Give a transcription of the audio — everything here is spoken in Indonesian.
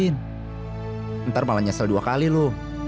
ntar malah nyesel dua kali loh